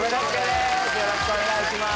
よろしくお願いします！